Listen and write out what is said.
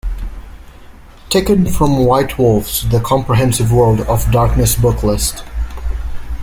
Taken from White Wolf's The Comprehensive World of Darkness Booklist.